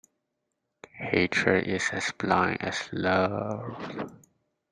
Hatred is as blind as love.